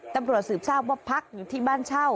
ตำรวจสืบทราบว่าพักอยู่ที่บ้านเช่า